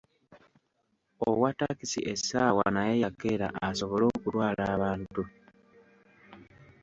Owa takisi essaawa naye yakeera asobole okutwala abantu.